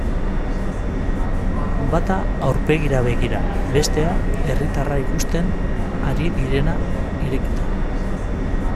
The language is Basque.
Bata aurpegira begira, bestea herritarra ikusten ari denari irekita.